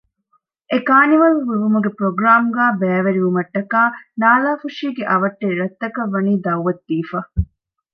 އެކާނިވަލް ހުޅުވުމުގެ ޕްރޮގްރާމްގައި ބައިވެރިވުމަށްޓަކާ ނާލާފުށީގެ އަވަށްޓެރި ރަށްތަކަށް ވަނީ ދައުވަތު ދީފަ